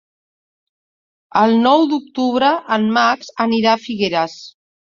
El nou d'octubre en Max anirà a Figueres.